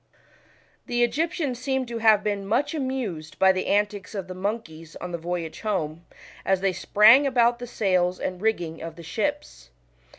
The Egyptians seem to have been much arrived by the antics of the monkeys on the voyage home, as they sprang about the sails and rigging of the ships.